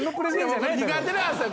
僕苦手なんすよ